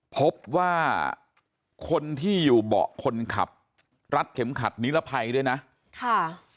พบว่าคนที่อยู่เบาะคนขับรัดเข็มขัดนิรภัยด้วยนะค่ะ